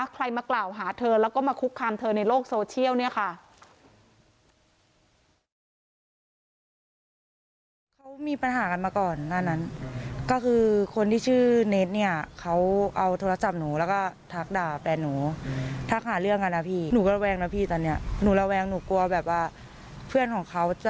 ใครมากล่าวหาเธอแล้วก็มาคุกคามเธอในโลกโซเชียลเนี่ยค่ะ